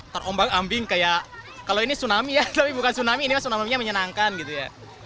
terombang ambing kayak kalau ini tsunami ya tapi bukan tsunami ini mas tsunami nya menyenangkan gitu ya